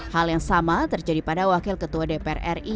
hal yang sama terjadi pada wakil ketua dpr ri